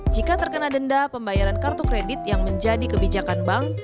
jika terkena denda pembayaran kartu kredit yang menjadi kebijakan bank